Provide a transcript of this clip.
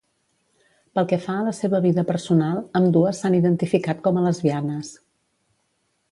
Pel que fa a la seva vida personal, ambdues s'han identificat com a lesbianes.